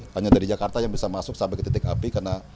hanya dari jakarta yang bisa masuk sampai ke titik api karena